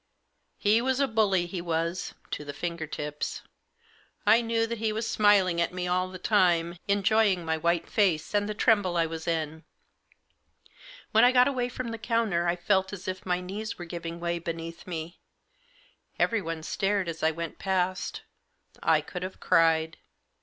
He was a bully, he was, to the finger tips. I knew that he was smiling at me all the time 5 enjoying my white face, and the tremble I was in. When I got away from the counter I felt as if my knees were giving way beneath me. Everyone stared as I went past — I could have cried.